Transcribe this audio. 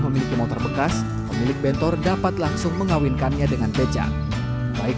memiliki motor bekas pemilik bentor dapat langsung mengawinkannya dengan becak baik